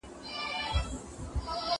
زه سبزیحات جمع کړي دي؟!